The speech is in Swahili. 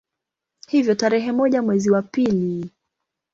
Hivyo tarehe moja mwezi wa pili